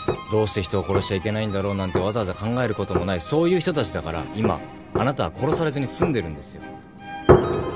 「どうして人を殺しちゃいけないんだろう」なんてわざわざ考えることもないそういう人たちだから今あなたは殺されずに済んでるんですよ。